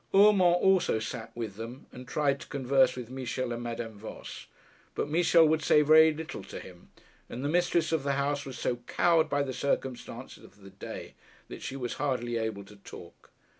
Urmand also sat with them, and tried to converse with Michel and Madame Voss. But Michel would say very little to him; and the mistress of the house was so cowed by the circumstances of the day, that she was hardly able to talk.